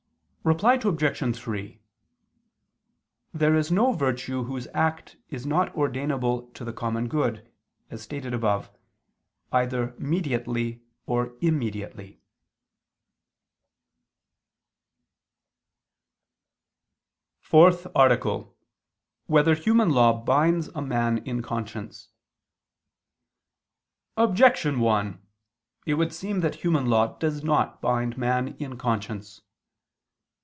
Reply Obj. 3: There is no virtue whose act is not ordainable to the common good, as stated above, either mediately or immediately. ________________________ FOURTH ARTICLE [I II, Q. 96, Art. 4] Whether Human Law Binds a Man in Conscience? Objection 1: It would seem that human law does not bind man in conscience.